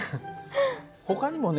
ほかにもね